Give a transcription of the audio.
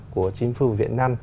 của chính phủ việt nam